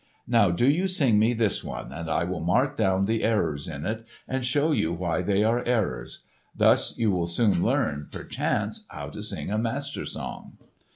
Now do you sing me this one and I will mark down the errors in it, and show you why they are errors. Thus you will soon learn, perchance, how to sing a Master Song."